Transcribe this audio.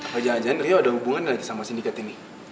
wajah wajahnya rio ada hubungan lagi sama sindikat ini